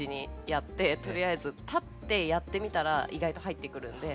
とりあえず立ってやってみたら意外と入ってくるんで。